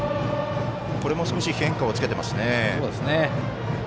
これも少し変化をつけてますね。